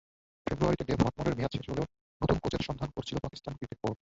ফেব্রুয়ারিতে ডেভ হোয়াটমোরের মেয়াদ শেষ হলে নতুন কোচের সন্ধান করছিল পাকিস্তান ক্রিকেট বোর্ড।